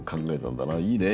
いいね。